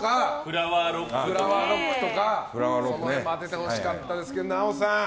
フラワーロックとかも当ててほしかったですけども奈緒さん